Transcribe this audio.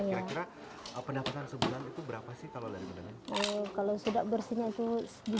kira kira pendapatan sebulan itu berapa sih kalau dari menenun